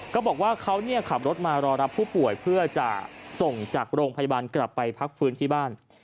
เขาบอกว่าเขาขับรถมารอรับผู้ป่วยเพื่อจะส่งจากโรงพยาบาลกลับไปพักฟื้นที่บ้าน